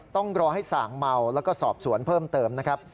ต้องรอให้ส่างเมาแล้วก็สอบสวนเพิ่มเติมนะครับ